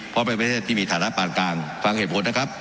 เพราะเป็นประเทศที่มีฐานะปานกลางฟังเหตุผลนะครับ